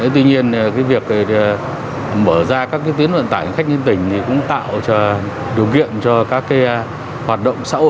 tuy nhiên việc mở ra các tiến vận tải cho khách dân tỉnh cũng tạo điều kiện cho các doanh nghiệp